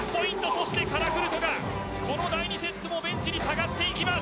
そしてカラクルトがこの第２セットもベンチに下がっていきます。